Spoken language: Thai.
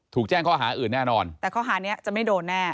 แจ้งข้อหาอื่นแน่นอนแต่ข้อหานี้จะไม่โดนแน่